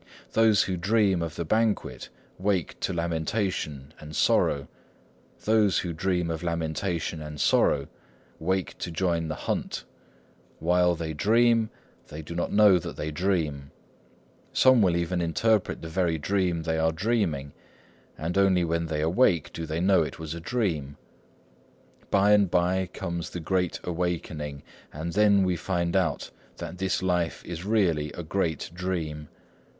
"Those who dream of the banquet wake to lamentation and sorrow. Those who dream of lamentation and sorrow wake to join the hunt. While they dream, they do not know that they dream. Some will even interpret the very dream they are dreaming; and only when they awake do they know it was a dream. By and by comes the Great Awakening, and then we find out that this life is really a great dream.